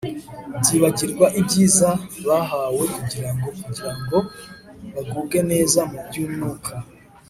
byibagirwa ibyiza bahawe kugira ngo kugira ngo bagubwe neza mu byumwuka